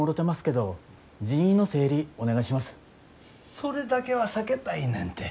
それだけは避けたいねんて。